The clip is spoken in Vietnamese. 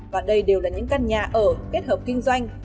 và đây đều là những căn nhà ở kết hợp kinh doanh